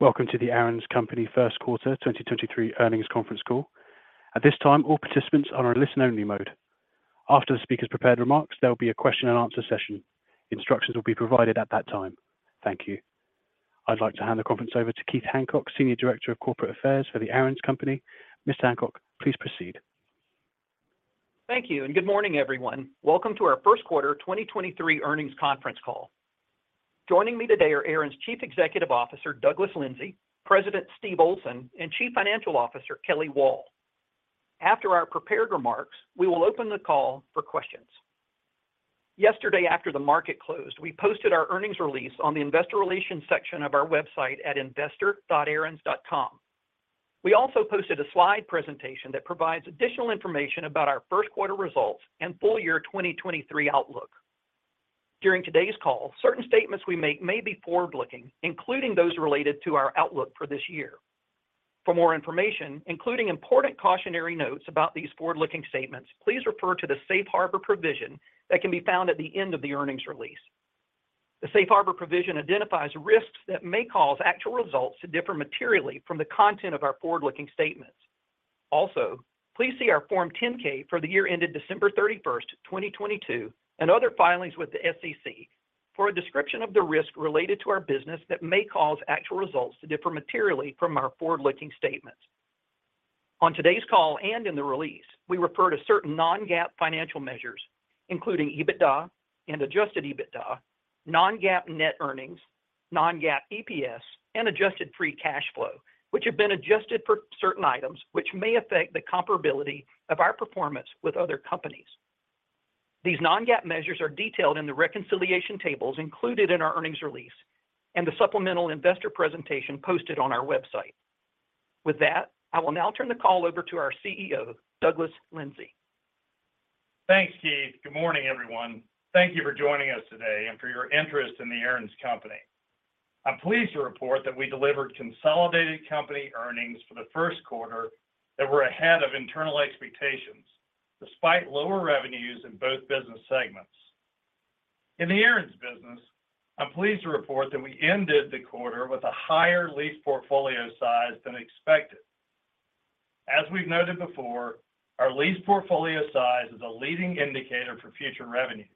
Welcome to The Aaron's Company 1st Quarter 2023 Earnings Conference Call. At this time, all participants are in a listen-only mode. After the speaker's prepared remarks, there'll be a question and answer session. Instructions will be provided at that time. Thank you. I'd like to hand the conference over to Keith Hancock, Senior Director of Corporate Affairs for The Aaron's Company. Mr. Hancock, please proceed. Thank you. Good morning, everyone. Welcome to our First Quarter 2023 Earnings Conference Call. Joining me today are Aaron's Chief Executive Officer, Douglas Lindsay, President Steve Olsen, and Chief Financial Officer Kelly Wall. After our prepared remarks, we will open the call for questions. Yesterday, after the market closed, we posted our earnings release on the investor relations section of our website at investor.aarons.com. We also posted a slide presentation that provides additional information about our first quarter results and full year 2023 outlook. During today's call, certain statements we make may be forward-looking, including those related to our outlook for this year. For more information, including important cautionary notes about these forward-looking statements, please refer to the safe harbor provision that can be found at the end of the earnings release. The safe harbor provision identifies risks that may cause actual results to differ materially from the content of our forward-looking statements. Please see our Form 10-K for the year ended December 31, 2022, and other filings with the SEC for a description of the risk related to our business that may cause actual results to differ materially from our forward-looking statements. On today's call and in the release, we refer to certain non-GAAP financial measures, including EBITDA and Adjusted EBITDA, non-GAAP net earnings, non-GAAP EPS, and adjusted free cash flow, which have been adjusted for certain items which may affect the comparability of our performance with other companies. These non-GAAP measures are detailed in the reconciliation tables included in our earnings release and the supplemental investor presentation posted on our website. I will now turn the call over to our CEO, Douglas Lindsay. Thanks, Keith. Good morning, everyone. Thank you for joining us today and for your interest in the Aaron's Company. I'm pleased to report that we delivered consolidated company earnings for the first quarter that were ahead of internal expectations, despite lower revenues in both business segments. In the Aaron's business, I'm pleased to report that we ended the quarter with a higher lease portfolio size than expected. As we've noted before, our lease portfolio size is a leading indicator for future revenues,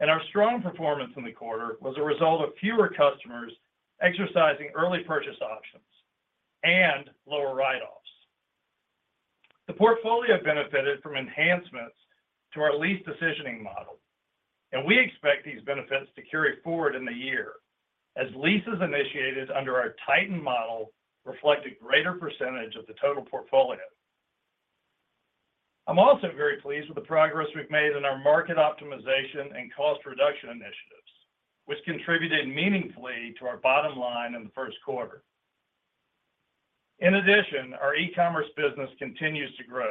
and our strong performance in the quarter was a result of fewer customers exercising early purchase options and lower write-offs. The portfolio benefited from enhancements to our lease decisioning model, and we expect these benefits to carry forward in the year as leases initiated under our tightened model reflect a greater percentage of the total portfolio. I'm also very pleased with the progress we've made in our market optimization and cost reduction initiatives, which contributed meaningfully to our bottom line in the first quarter. Our e-commerce business continues to grow,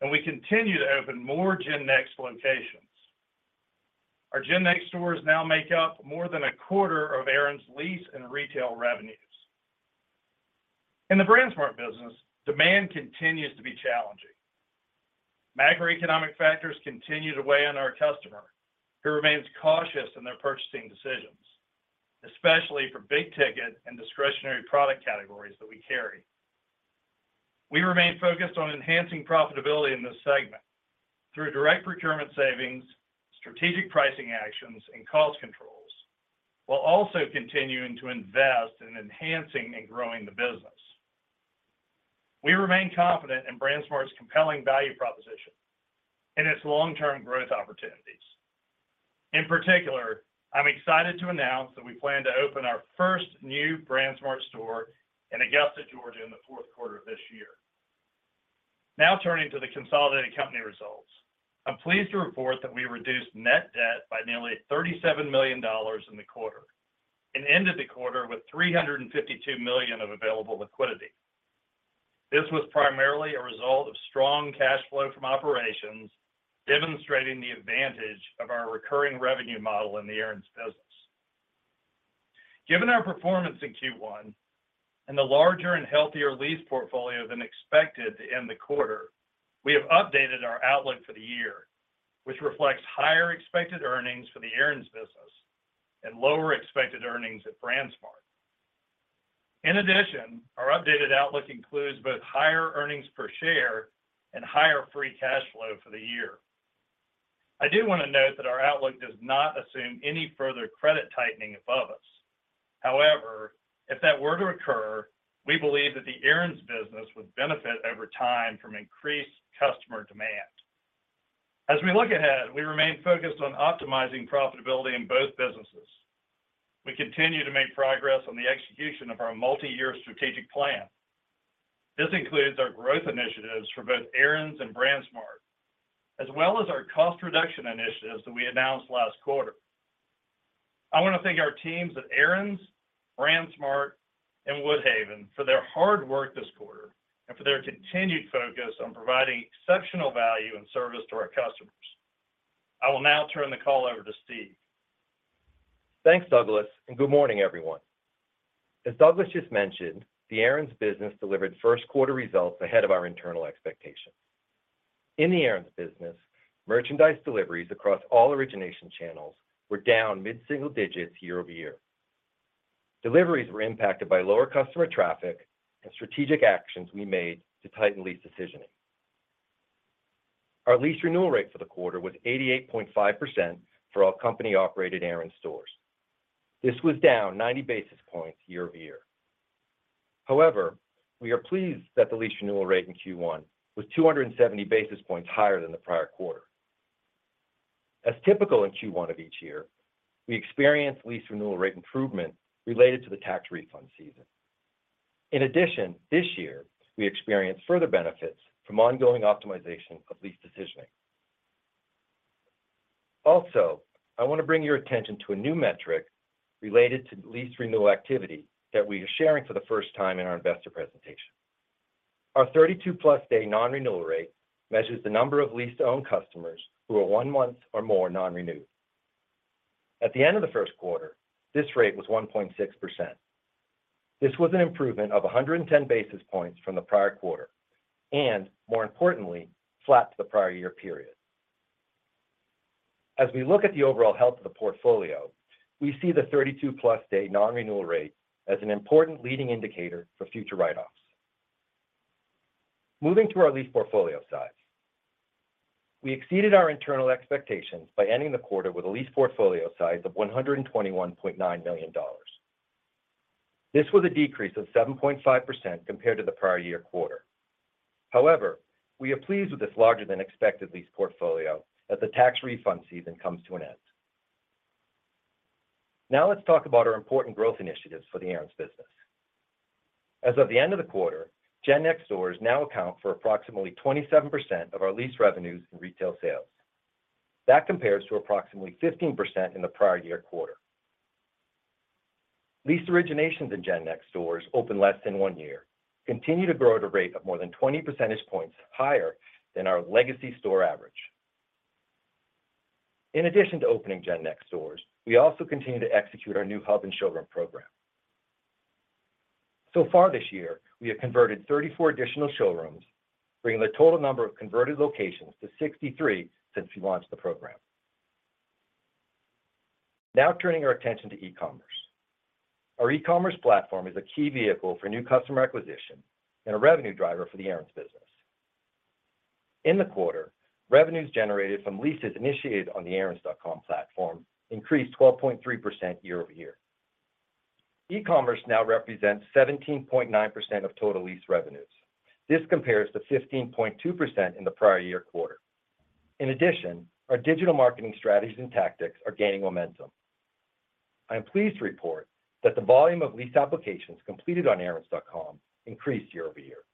and we continue to open more GenNext locations. Our GenNext stores now make up more than a quarter of Aaron's lease and retail revenues. In the BrandsMart business, demand continues to be challenging. Macroeconomic factors continue to weigh on our customer, who remains cautious in their purchasing decisions, especially for big ticket and discretionary product categories that we carry. We remain focused on enhancing profitability in this segment through direct procurement savings, strategic pricing actions and cost controls, while also continuing to invest in enhancing and growing the business. We remain confident in BrandsMart's compelling value proposition and its long-term growth opportunities. In particular, I'm excited to announce that we plan to open our first new BrandsMart store in Augusta, Georgia in the fourth quarter of this year. Turning to the consolidated company results. I'm pleased to report that we reduced net debt by nearly $37 million in the quarter and ended the quarter with $352 million of available liquidity. This was primarily a result of strong cash flow from operations, demonstrating the advantage of our recurring revenue model in the Aaron's business. Given our performance in Q1 and the larger and healthier lease portfolio than expected to end the quarter, we have updated our outlook for the year, which reflects higher expected earnings for the Aaron's business and lower expected earnings at BrandsMart. Our updated outlook includes both higher earnings per share and higher free cash flow for the year. I do wanna note that our outlook does not assume any further credit tightening above us. However, if that were to occur, we believe that the Aaron's business would benefit over time from increased customer demand. As we look ahead, we remain focused on optimizing profitability in both businesses. We continue to make progress on the execution of our multi-year strategic plan. This includes our growth initiatives for both Aaron's and BrandsMart, as well as our cost reduction initiatives that we announced last quarter. I wanna thank our teams at Aaron's, BrandsMart, and Woodhaven for their hard work this quarter and for their continued focus on providing exceptional value and service to our customers. I will now turn the call over to Steve. Thanks, Douglas, and good morning, everyone. As Douglas just mentioned, the Aaron's business delivered first quarter results ahead of our internal expectations. In the Aaron's business, merchandise deliveries across all origination channels were down mid-single digits year-over-year. Deliveries were impacted by lower customer traffic and strategic actions we made to tighten lease decisioning. Our lease renewal rate for the quarter was 88.5% for all company-operated Aaron's stores. This was down 90 basis points year-over-year. We are pleased that the lease renewal rate in Q1 was 270 basis points higher than the prior quarter. As typical in Q1 of each year, we experienced lease renewal rate improvement related to the tax refund season. This year, we experienced further benefits from ongoing optimization of lease decisioning. I want to bring your attention to a new metric related to lease renewal activity that we are sharing for the first time in our investor presentation. Our 32+ day non-renewal rate measures the number of lease-to-own customers who are one month or more non-renewed. At the end of the first quarter, this rate was 1.6%. This was an improvement of 110 basis points from the prior quarter, and more importantly, flat to the prior year period. As we look at the overall health of the portfolio, we see the 32+ day non-renewal rate as an important leading indicator for future write-offs. Moving to our lease portfolio size. We exceeded our internal expectations by ending the quarter with a lease portfolio size of $121.9 million. This was a decrease of 7.5% compared to the prior year quarter. However, we are pleased with this larger than expected lease portfolio as the tax refund season comes to an end. Let's talk about our important growth initiatives for the Aaron's business. As of the end of the quarter, GenNext stores now account for approximately 27% of our lease revenues in retail sales. That compares to approximately 15% in the prior year quarter. Lease originations in GenNext stores opened less than one year, continue to grow at a rate of more than 20 percentage points higher than our legacy store average. In addition to opening GenNext stores, we also continue to execute our new Hub and Showroom program. Far this year, we have converted 34 additional showrooms, bringing the total number of converted locations to 63 since we launched the program. Turning our attention to e-commerce. Our e-commerce platform is a key vehicle for new customer acquisition and a revenue driver for the Aaron's business. In the quarter, revenues generated from leases initiated on the aarons.com platform increased 12.3% year-over-year. E-commerce now represents 17.9% of total lease revenues. This compares to 15.2% in the prior year quarter. In addition, our digital marketing strategies and tactics are gaining momentum. I am pleased to report that the volume of lease applications completed on aarons.com increased year-over-year.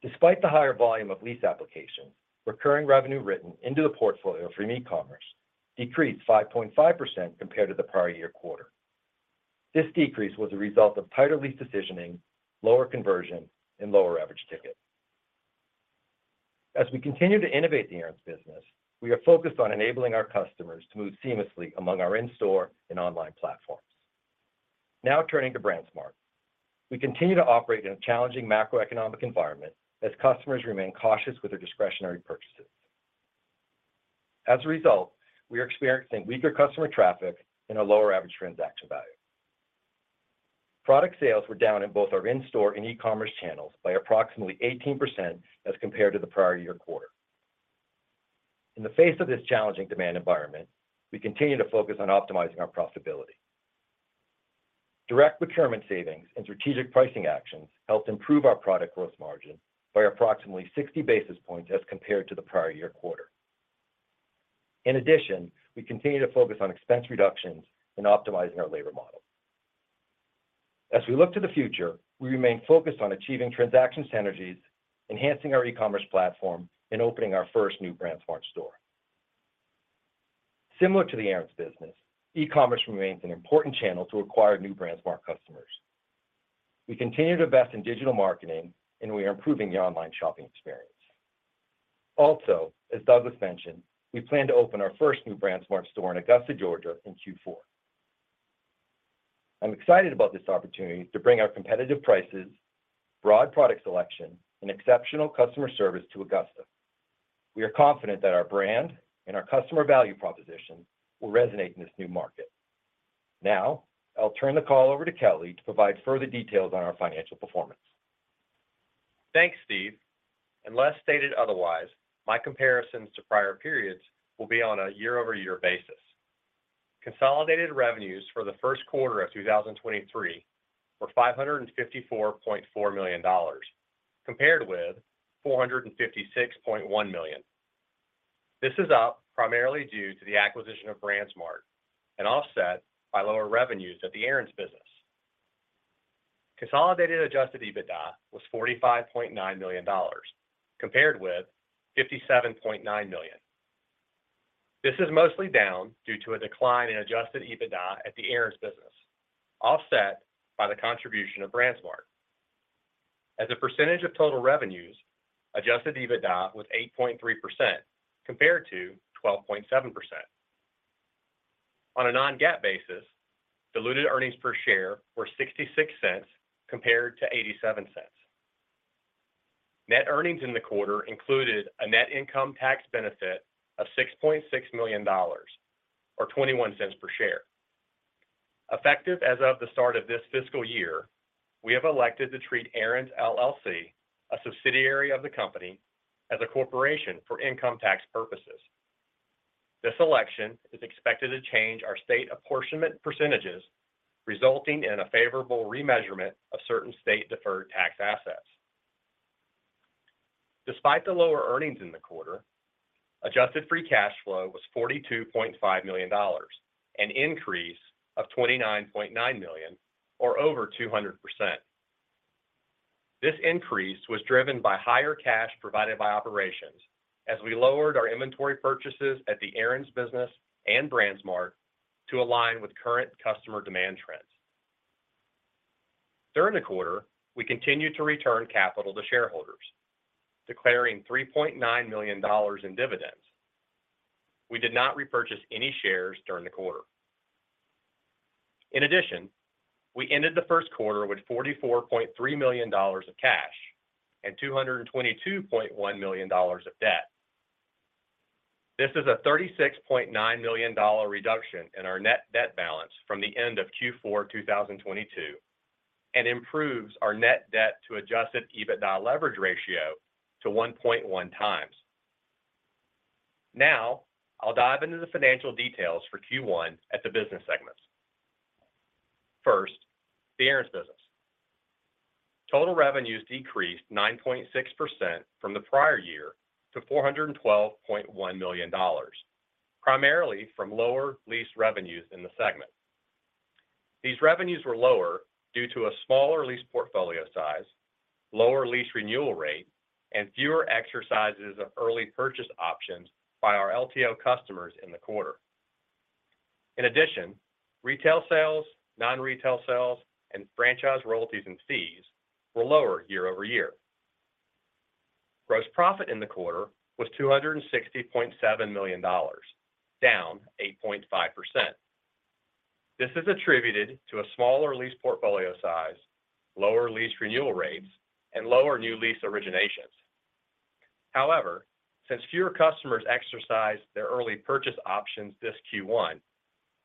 Despite the higher volume of lease applications, recurring revenue written into the portfolio from e-commerce decreased 5.5% compared to the prior year quarter. This decrease was a result of tighter lease decisioning, lower conversion, and lower average ticket. As we continue to innovate the Aaron's business, we are focused on enabling our customers to move seamlessly among our in-store and online platforms. Turning to BrandsMart. We continue to operate in a challenging macroeconomic environment as customers remain cautious with their discretionary purchases. We are experiencing weaker customer traffic and a lower average transaction value. Product sales were down in both our in-store and e-commerce channels by approximately 18% as compared to the prior year quarter. In the face of this challenging demand environment, we continue to focus on optimizing our profitability. Direct procurement savings and strategic pricing actions helped improve our product gross margin by approximately 60 basis points as compared to the prior year quarter. We continue to focus on expense reductions and optimizing our labor model. As we look to the future, we remain focused on achieving transaction synergies, enhancing our e-commerce platform, and opening our first new BrandsMart store. Similar to the Aaron's business, e-commerce remains an important channel to acquire new BrandsMart customers. We continue to invest in digital marketing, and we are improving the online shopping experience. Also, as Douglas mentioned, we plan to open our first new BrandsMart store in Augusta, Georgia in Q4. I'm excited about this opportunity to bring our competitive prices, broad product selection, and exceptional customer service to Augusta. We are confident that our brand and our customer value proposition will resonate in this new market. Now, I'll turn the call over to Kelly to provide further details on our financial performance. Thanks, Steve. Unless stated otherwise, my comparisons to prior periods will be on a year-over-year basis. Consolidated revenues for the first quarter of 2023 were $554.4 million, compared with $456.1 million. This is up primarily due to the acquisition of BrandsMart and offset by lower revenues at the Aaron's business. Consolidated Adjusted EBITDA was $45.9 million compared with $57.9 million. This is mostly down due to a decline in adjusted EBITDA at the Aaron's business, offset by the contribution of BrandsMart. As a percentage of total revenues, Adjusted EBITDA was 8.3% compared to 12.7%. On a non-GAAP basis, diluted earnings per share were $0.66 compared to $0.87. Net earnings in the quarter included a net income tax benefit of $6.6 million or $0.21 per share. Effective as of the start of this fiscal year, we have elected to treat Aaron's, LLC, a subsidiary of the company, as a corporation for income tax purposes. This election is expected to change our state apportionment percentage, resulting in a favorable remeasurement of certain state-deferred tax assets. Despite the lower earnings in the quarter, adjusted free cash flow was $42.5 million, an increase of $29.9 million or over 200%. This increase was driven by higher cash provided by operations as we lowered our inventory purchases at the Aaron's business and BrandsMart to align with current customer demand trends. During the quarter, we continued to return capital to shareholders, declaring $3.9 million in dividends. We did not repurchase any shares during the quarter. We ended the first quarter with $44.3 million of cash and $222.1 million of debt. This is a $36.9 million reduction in our net debt balance from the end of Q4 2022 and improves our net debt to Adjusted EBITDA leverage ratio to 1.1 times. I'll dive into the financial details for Q1 at the business segments. First, the Aaron's business. Total revenues decreased 9.6% from the prior year to $412.1 million, primarily from lower lease revenues in the segment. These revenues were lower due to a smaller lease portfolio size, lower lease renewal rate, and fewer exercises of early purchase options by our LTO customers in the quarter. In addition, retail sales, non-retail sales, and franchise royalties and fees were lower year-over-year. Gross profit in the quarter was $260.7 million, down 8.5%. This is attributed to a smaller lease portfolio size, lower lease renewal rates, and lower new lease originations. However, since fewer customers exercised their early purchase options this Q1,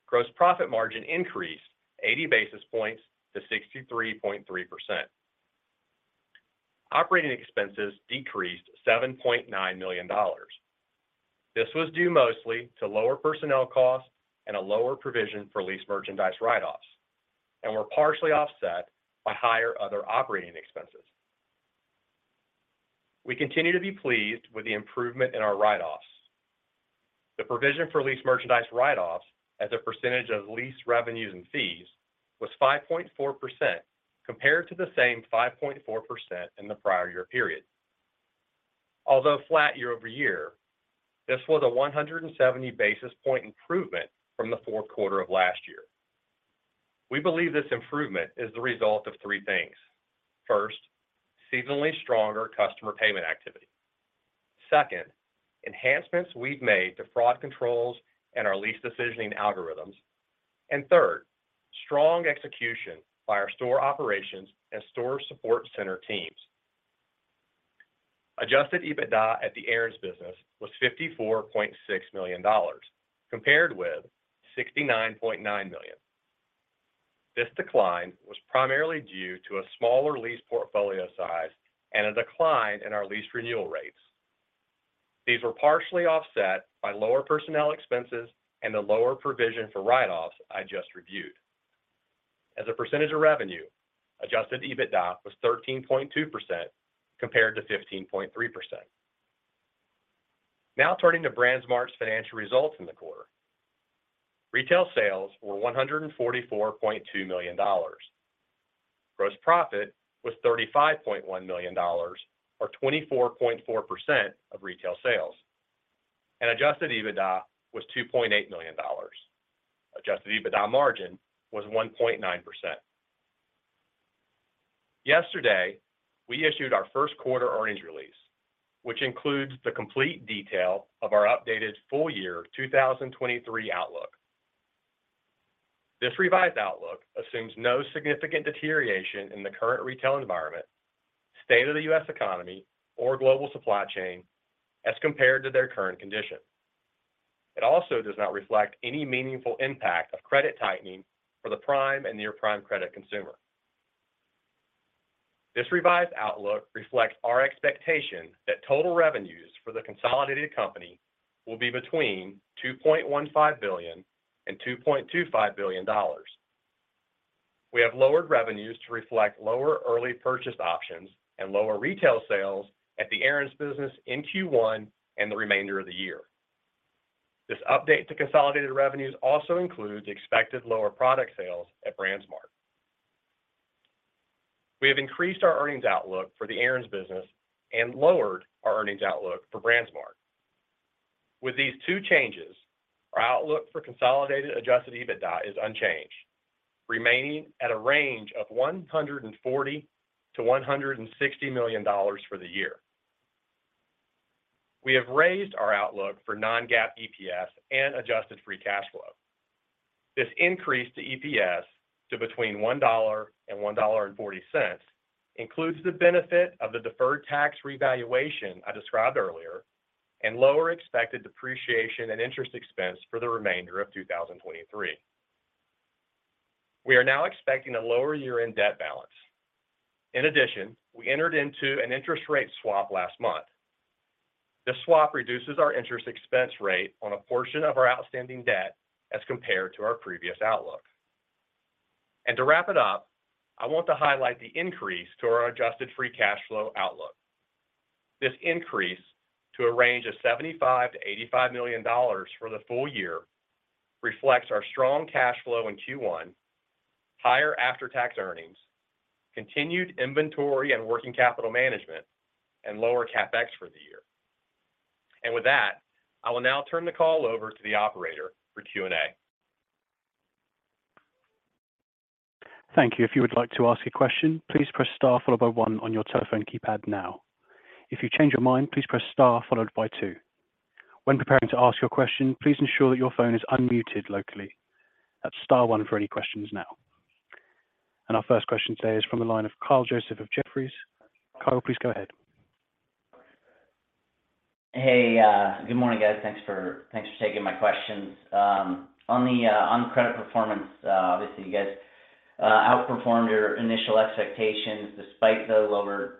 gross profit margin increased 80 basis points to 63.3%. Operating expenses decreased $7.9 million. This was due mostly to lower personnel costs and a lower provision for leased merchandise write-offs and were partially offset by higher other operating expenses. We continue to be pleased with the improvement in our write-offs. The provision for leased merchandise write-offs as a percentage of leased revenues and fees was 5.4% compared to the same 5.4% in the prior year period. Although flat year-over-year, this was a 170 basis point improvement from the fourth quarter of last year. We believe this improvement is the result of three things. First, seasonally stronger customer payment activity. Second, enhancements we've made to fraud controls and our lease decisioning algorithms. Third, strong execution by our store operations and store support center teams. Adjusted EBITDA at the Aaron's business was $54.6 million compared with $69.9 million. This decline was primarily due to a smaller lease portfolio size and a decline in our lease renewal rates. These were partially offset by lower personnel expenses and the lower provision for write-offs I just reviewed. As a percentage of revenue, Adjusted EBITDA was 13.2% compared to 15.3%. Turning to BrandsMart's financial results in the quarter. Retail sales were $144.2 million. Gross profit was $35.1 million or 24.4% of retail sales. Adjusted EBITDA was $2.8 million. Adjusted EBITDA margin was 1.9%. Yesterday, we issued our first quarter earnings release, which includes the complete detail of our updated full year 2023 outlook. This revised outlook assumes no significant deterioration in the current retail environment, state of the U.S. economy, or global supply chain as compared to their current condition. It also does not reflect any meaningful impact of credit tightening for the prime and near-prime credit consumer. This revised outlook reflects our expectation that total revenues for the consolidated company will be between $2.15 billion and $2.25 billion. We have lowered revenues to reflect lower early purchase options and lower retail sales at the Aaron's business in Q1 and the remainder of the year. This update to consolidated revenues also includes expected lower product sales at BrandsMart. We have increased our earnings outlook for the Aaron's business and lowered our earnings outlook for BrandsMart. With these two changes, our outlook for consolidated Adjusted EBITDA is unchanged, remaining at a range of $140 million-$160 million for the year. We have raised our outlook for non-GAAP EPS and Adjusted free cash flow. This increase to EPS to between $1.00 and $1.40 includes the benefit of the deferred tax revaluation I described earlier and lower expected depreciation and interest expense for the remainder of 2023. We are now expecting a lower year-end debt balance. We entered into an interest rate swap last month. This swap reduces our interest expense rate on a portion of our outstanding debt as compared to our previous outlook. To wrap it up, I want to highlight the increase to our adjusted free cash flow outlook. This increase to a range of $75 million-$85 million for the full year reflects our strong cash flow in Q1, higher after-tax earnings, continued inventory and working capital management, and lower CapEx for the year. With that, I will now turn the call over to the operator for Q&A. Thank you. If you would like to ask a question, please press star followed by one on your telephone keypad now. If you change your mind, please press star followed by two. When preparing to ask your question, please ensure that your phone is unmuted locally. That's star one for any questions now. Our first question today is from the line of Kyle Joseph of Jefferies. Kyle, please go ahead. Hey, good morning, guys. Thanks for taking my questions. On the, on credit performance, obviously you guys outperformed your initial expectations despite the lower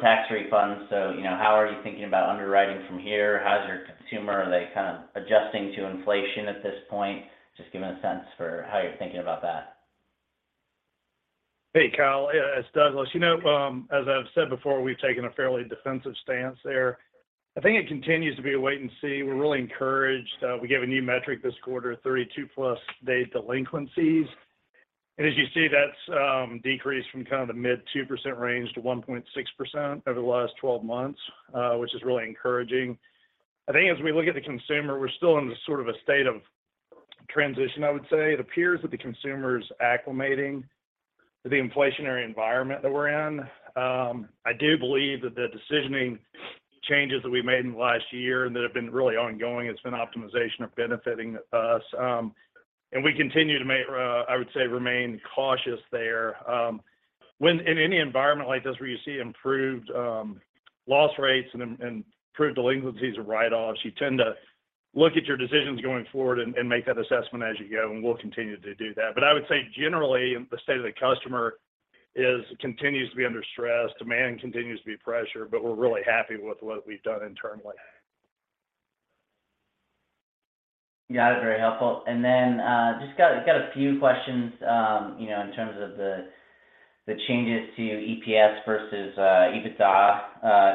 tax refunds. You know, how are you thinking about underwriting from here? How's your consumer? Are they kind of adjusting to inflation at this point? Just give me a sense for how you're thinking about that. Hey, Kyle Joseph, it's Douglas Lindsay. You know, as I've said before, we've taken a fairly defensive stance there. I think it continues to be a wait and see. We're really encouraged. We gave a new metric this quarter, 32+ day delinquencies. As you see, that's decreased from kind of the mid 2% range to 1.6% over the last 12 months, which is really encouraging. I think as we look at the consumer, we're still in the sort of a state of transition, I would say. It appears that the consumer's acclimating to the inflationary environment that we're in. I do believe that the decisioning changes that we made in the last year and that have been really ongoing, it's been optimization are benefiting us. We continue to remain cautious there. When in any environment like this where you see improved, loss rates and improved delinquencies or write-offs, you tend to look at your decisions going forward and make that assessment as you go. We'll continue to do that. I would say generally the state of the customer is continues to be under stress. Demand continues to be pressure, but we're really happy with what we've done internally. Got it. Very helpful. Just got a few questions, you know, in terms of the changes to EPS versus EBITDA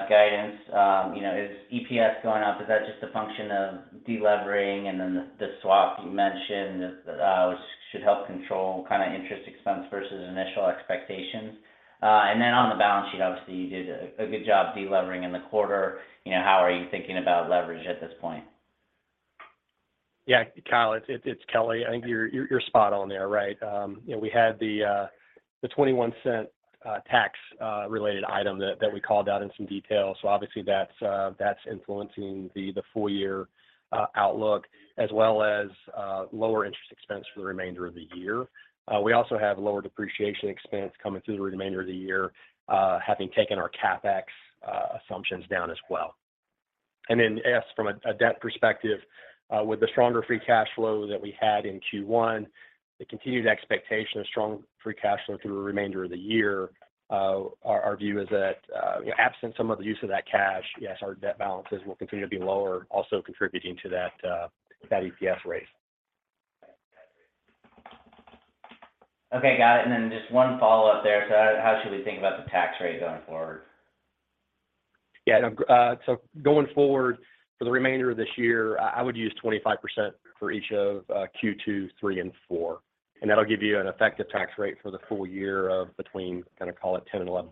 guidance. You know, is EPS going up? Is that just a function of delevering? The swap you mentioned, which should help control kind of interest expense versus initial expectations. On the balance sheet, obviously you did a good job delevering in the quarter. You know, how are you thinking about leverage at this point? Yeah. Kyle, it's Kelly. I think you're spot on there, right. you know, we had the $0.21 tax related item that we called out in some detail. Obviously that's influencing the full year outlook as well as lower interest expense for the remainder of the year. We also have lower depreciation expense coming through the remainder of the year, having taken our CapEx assumptions down as well. Yes, from a debt perspective, with the stronger free cash flow that we had in Q1, the continued expectation of strong free cash flow through the remainder of the year, our view is that, absent some of the use of that cash, yes, our debt balances will continue to be lower, also contributing to that EPS raise. Okay. Got it. Just one follow-up there. How should we think about the tax rate going forward? Yeah. No, going forward for the remainder of this year, I would use 25% for each of Q2, Q3 and Q4, and that'll give you an effective tax rate for the full year of between kind of call it 10% and 11%.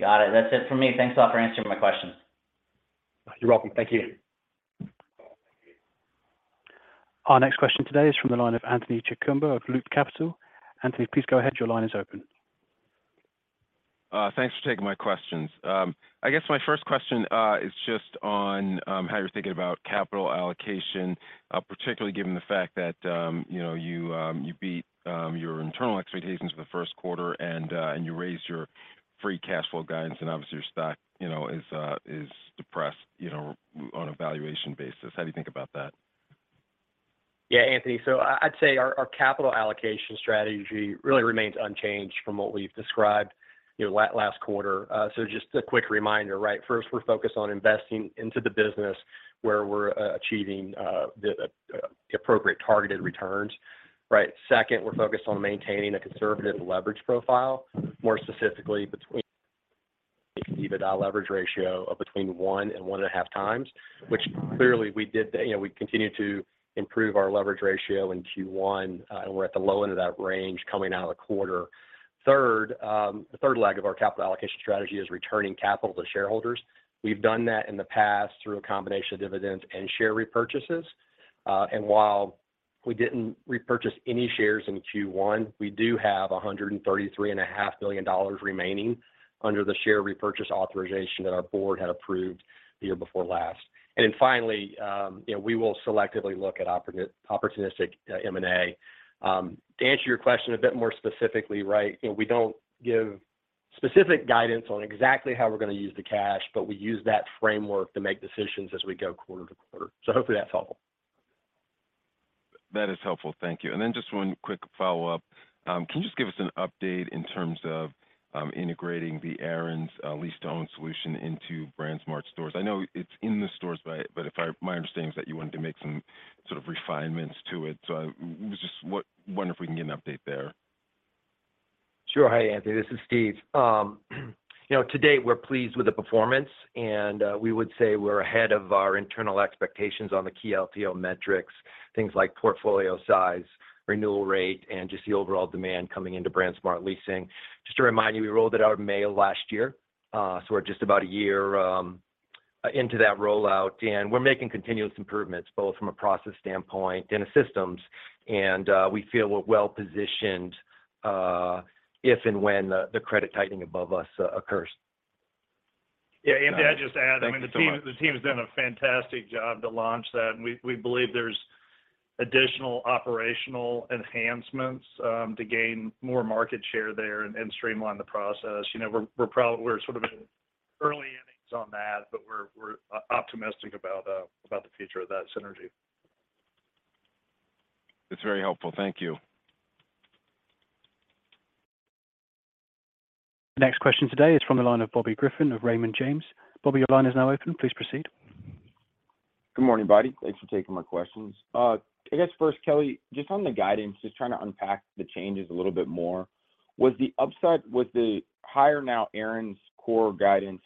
Got it. That's it for me. Thanks all for answering my questions. You're welcome. Thank you. Our next question today is from the line of Anthony Chukumba of Loop Capital. Anthony, please go ahead. Your line is open. Thanks for taking my questions. I guess my first question is just on how you're thinking about capital allocation, particularly given the fact that, you know, you beat your internal expectations for the first quarter and you raised your free cash flow guidance and obviously your stock, you know, is depressed, you know, on a valuation basis. How do you think about that? Yeah, Anthony. I'd say our capital allocation strategy really remains unchanged from what we've described, you know, last quarter. Just a quick reminder, right? First, we're focused on investing into the business where we're achieving the appropriate targeted returns, right? Second, we're focused on maintaining a conservative leverage profile, more specifically between EBITDA leverage ratio of between 1 and 1.5 times, which clearly we did. You know, we continue to improve our leverage ratio in Q1. We're at the low end of that range coming out of the quarter. Third, the third leg of our capital allocation strategy is returning capital to shareholders. We've done that in the past through a combination of dividends and share repurchases. While we didn't repurchase any shares in Q1, we do have $133.5 million remaining under the share repurchase authorization that our board had approved the year before last. Finally, you know, we will selectively look at opportunistic M&A. To answer your question a bit more specifically, right, you know, we don't give specific guidance on exactly how we're gonna use the cash, but we use that framework to make decisions as we go quarter-to-quarter. Hopefully that's helpful. That is helpful. Thank you. Just one quick follow-up. Can you just give us an update in terms of integrating the Aaron's lease-to-own solution into BrandsMart stores? I know it's in the stores, but my understanding is that you wanted to make some sort of refinements to it. I was just wonder if we can get an update there. Sure. Hi, Anthony, this is Steve. You know, to date, we're pleased with the performance, and we would say we're ahead of our internal expectations on the key LTO metrics, things like portfolio size, renewal rate, and just the overall demand coming into BrandsMart Leasing. Just to remind you, we rolled it out in May of last year. We're just about a year into that rollout, and we're making continuous improvements, both from a process standpoint and the systems. We feel we're well-positioned if and when the credit tightening above us occurs. Yeah. I'd just add, I mean, the team has done a fantastic job to launch that, and we believe there's additional operational enhancements to gain more market share there and streamline the process. You know, we're sort of in early innings on that, but we're optimistic about the future of that synergy. That's very helpful. Thank you. Next question today is from the line of Bobby Griffin of Raymond James. Bobby, your line is now open. Please proceed. Good morning, everybody. Thanks for taking my questions. I guess first, Kelly, just on the guidance, just trying to unpack the changes a little bit more. Was the higher now Aaron's core guidance,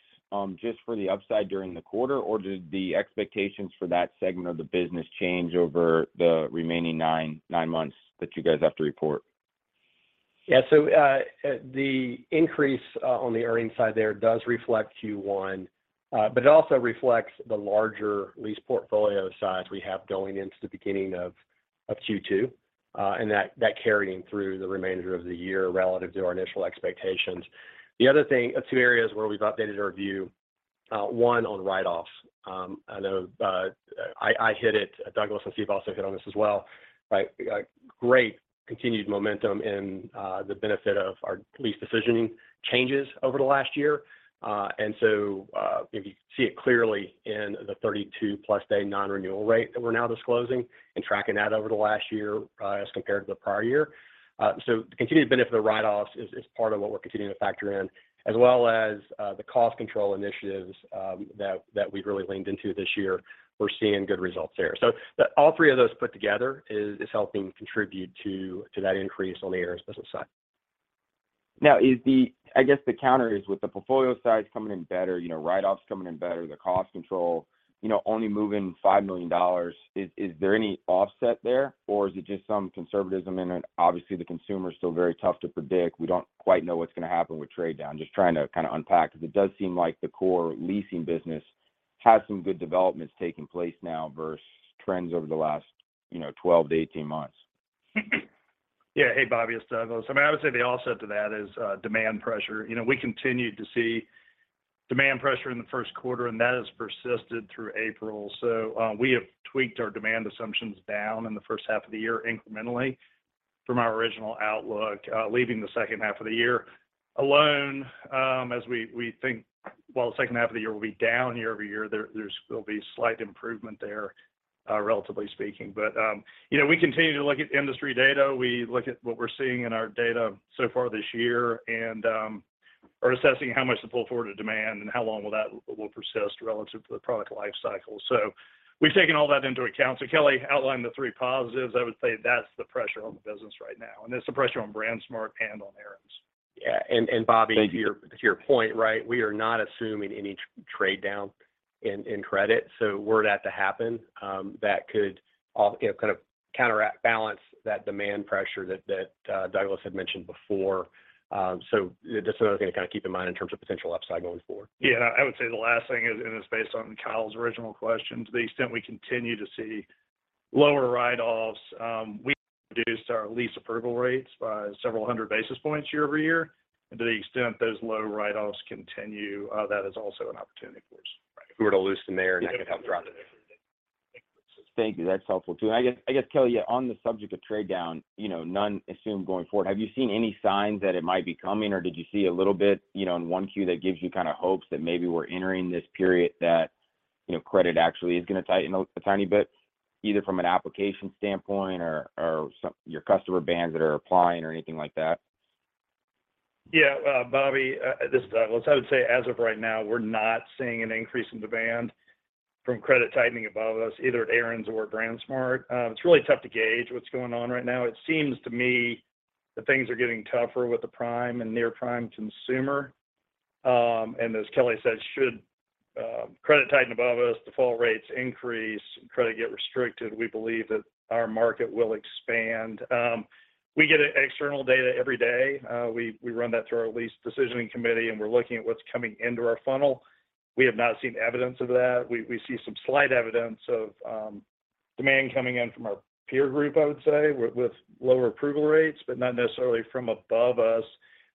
just for the upside during the quarter, or do the expectations for that segment of the business change over the remaining nine months that you guys have to report? The increase on the earnings side there does reflect Q1, but it also reflects the larger lease portfolio size we have going into the beginning of Q2, and that carrying through the remainder of the year relative to our initial expectations. The other thing, two areas where we've updated our view, one on write-offs. I know I hit it. Douglas and Steve also hit on this as well, right? Great continued momentum in the benefit of our lease decisioning changes over the last year. If you see it clearly in the 32+ day non-renewal rate that we're now disclosing and tracking that over the last year, as compared to the prior year. The continued benefit of write-offs is part of what we're continuing to factor in, as well as the cost control initiatives that we've really leaned into this year. We're seeing good results there. All three of those put together is helping contribute to that increase on the Aaron's business side. Is the counter is with the portfolio size coming in better, you know, write-offs coming in better, the cost control, you know, only moving $5 million, is there any offset there, or is it just some conservatism in it? Obviously, the consumer is still very tough to predict. We don't quite know what's gonna happen with trade down. Just trying to kinda unpack because it does seem like the core leasing business has some good developments taking place now versus trends over the last, you know, 12 to 18 months. Yeah. Hey, Bobby, it's Douglas. I mean, I would say the offset to that is demand pressure. You know, we continued to see demand pressure in the 1st quarter, that has persisted through April. We have tweaked our demand assumptions down in the 1st half of the year incrementally from our original outlook, leaving the 2nd half of the year alone, as we think while the 2nd half of the year will be down year-over-year, there will be slight improvement there, relatively speaking. You know, we continue to look at industry data. We look at what we're seeing in our data so far this year and are assessing how much to pull forward to demand and how long that will persist relative to the product life cycle. We've taken all that into account. Kelly outlined the three positives. I would say that's the pressure on the business right now, and it's the pressure on BrandsMart and on Aaron's. Yeah. Bobby- Thank you.... to your point, right, we are not assuming any trade down in credit. Were that to happen, you know, kind of counterbalance that demand pressure that Douglas had mentioned before. Just another thing to kind of keep in mind in terms of potential upside going forward. Yeah. I would say the last thing is, and it's based on Kyle's original question, to the extent we continue to see lower write-offs, we produced our lease approval rates by several hundred basis points year-over-year. To the extent those low write-offs continue, that is also an opportunity for us. If we were to lose some there, that could help throughout the year. Thank you. That's helpful, too. I guess, Kelly, on the subject of trade down, you know, none assumed going forward, have you seen any signs that it might be coming, or did you see a little bit, you know, in 1Q that gives you kind of hopes that maybe we're entering this period that, you know, credit actually is gonna tighten a tiny bit, either from an application standpoint or some your customer bands that are applying or anything like that? Yeah. Bobby, this is Douglas. I would say as of right now, we're not seeing an increase in demand from credit tightening above us, either at Aaron's or BrandsMart. It's really tough to gauge what's going on right now. It seems to me that things are getting tougher with the prime and near-prime consumer. As Kelly said, should credit tighten above us, default rates increase, credit get restricted, we believe that our market will expand. We get e-external data every day. We run that through our lease decisioning committee, and we're looking at what's coming into our funnel. We have not seen evidence of that. We see some slight evidence of demand coming in from our peer group, I would say, with lower approval rates, but not necessarily from above us.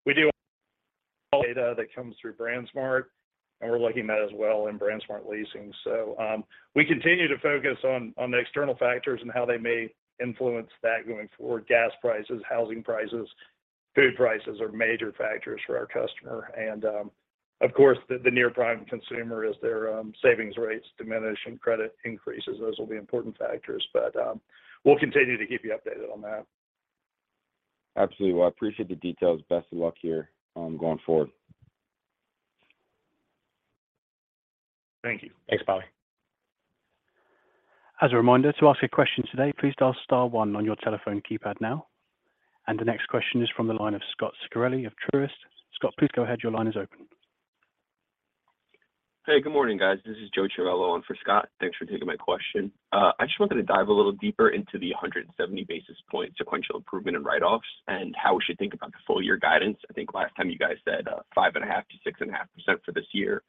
We do data that comes through BrandsMart, and we're looking at that as well in BrandsMart Leasing. We continue to focus on the external factors and how they may influence that going forward. Gas prices, housing prices, food prices are major factors for our customer. Of course, the near-prime consumer as their savings rates diminish and credit increases. Those will be important factors. We'll continue to keep you updated on that. Absolutely. Well, I appreciate the details. Best of luck here, going forward. Thank you. Thanks, Bobby. As a reminder, to ask a question today, please dial star one on your telephone keypad now. The next question is from the line of Scot Ciccarelli of Truist. Scot, please go ahead. Your line is open. Hey, good morning, guys. This is Joseph Civello on for Scot. Thanks for taking my question. I just wanted to dive a little deeper into the 170 basis point sequential improvement in write-offs and how we should think about the full year guidance. I think last time you guys said, 5.5%-6.5% for this year.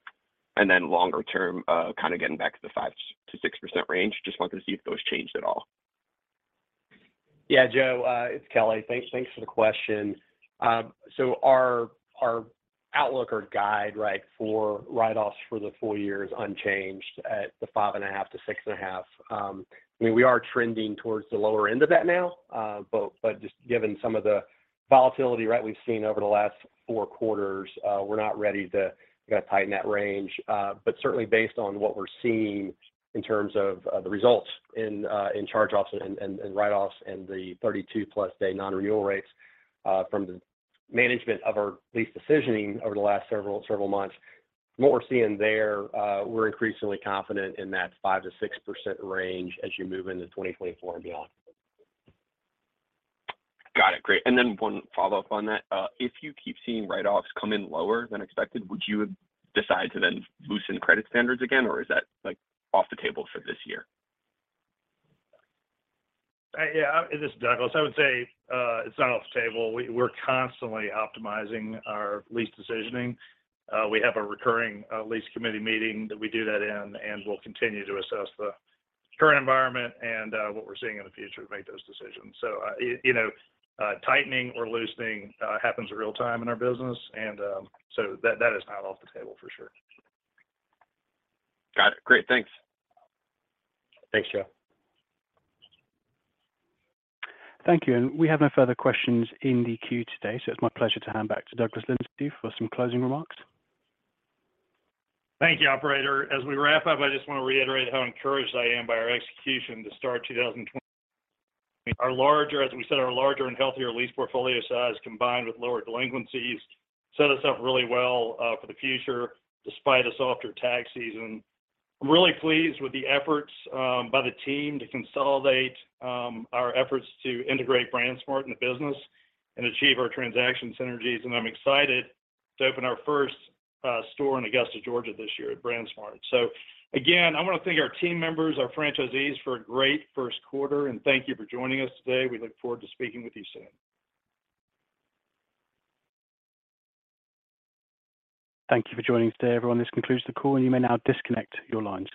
Longer term, kind of getting back to the 5%-6% range. Just wanted to see if those changed at all. Joe, it's Kelly. Thanks for the question. Our outlook or guide, right, for write-offs for the full year is unchanged at the 5.5%-6.5%. I mean, we are trending towards the lower end of that now. Just given some of the volatility, right, we've seen over the last four quarters, we're not ready to, you know, tighten that range. Certainly based on what we're seeing in terms of the results in charge-offs and write-offs and the 32+ day non-renewal rates, from the management of our lease decisioning over the last several months. What we're seeing there, we're increasingly confident in that 5%-6% range as you move into 2024 and beyond. Got it. Great. Then one follow-up on that. If you keep seeing write-offs come in lower than expected, would you decide to then loosen credit standards again, or is that, like, off the table for this year? Yeah, this is Douglas. I would say it's not off the table. We're constantly optimizing our lease decisioning. We have a recurring lease committee meeting that we do that in and we'll continue to assess the current environment and what we're seeing in the future to make those decisions. You know, tightening or loosening happens real time in our business, and so that is not off the table for sure. Got it. Great. Thanks. Thanks, Joe. Thank you. We have no further questions in the queue today, so it's my pleasure to hand back to Douglas Lindsay for some closing remarks. Thank you, operator. As we wrap up, I just want to reiterate how encouraged I am by our execution to start 2020. Our larger, as we said, our larger and healthier lease portfolio size, combined with lower delinquencies set us up really well for the future, despite a softer tax season. I'm really pleased with the efforts by the team to consolidate our efforts to integrate BrandsMart in the business and achieve our transaction synergies. I'm excited to open our first store in Augusta, Georgia this year at BrandsMart. Again, I wanna thank our team members, our franchisees for a great first quarter, and thank you for joining us today. We look forward to speaking with you soon. Thank you for joining us today, everyone. This concludes the call, and you may now disconnect your lines.